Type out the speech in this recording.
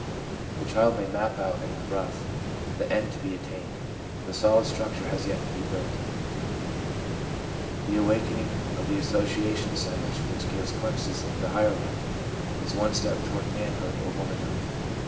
The child may map out in the rough the end to be attained; the solid structure has yet to be builded. The awakening of the association centres, which gives glimpses into the higher life, is one step toward man hood or womanhood.